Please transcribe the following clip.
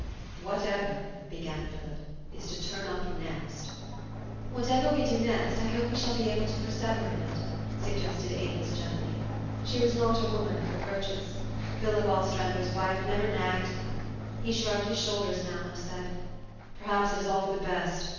"Whatever," began Philip, "is to turn up next" " Whatever we do next, I hope we shall be able to persevere in it," suggested Avis gently. She was not a woman of reproaches. Philip Ostrander's wife never " nagged " him. He shrugged his shoul ders now, and said, " Perhaps it is all for the best.